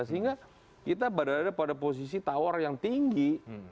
sehingga kita berada pada posisi tawar yang tinggi